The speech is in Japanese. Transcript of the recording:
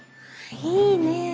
いいねぇ。